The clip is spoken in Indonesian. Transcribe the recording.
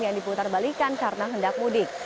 yang diputarbalikan karena hendak mudik